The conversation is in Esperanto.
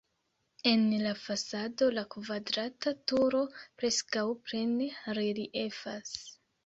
En la fasado la kvadrata turo preskaŭ plene reliefas.